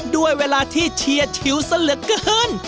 ด้วยเวลาที่เชียร์ชิวซะเหลือเกิน